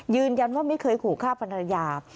ยืนยันว่าไม่เคยขู่ฆ่าภรรยา